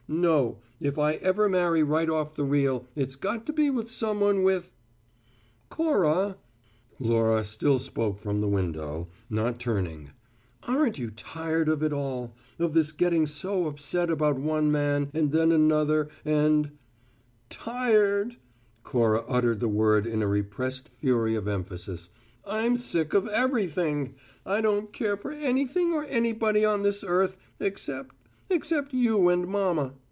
No; if I ever marry right off the reel it's got to be somebody with " "Cora" Laura still spoke from the window, not turning "aren't you tired of it all, of this getting so upset about one man and then another and " "Tired!" Cora uttered the word in a repressed fury of emphasis. "I'm sick of everything! I don't care for anything or anybody on this earth except except you and mamma.